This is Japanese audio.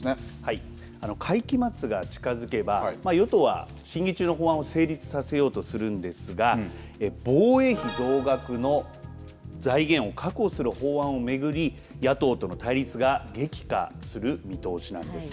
会期末が近づけば与党は審議中の法案を成立させようとするんですが防衛費増額の財源を確保する法案を巡り野党との対立が激化する見通しなんです。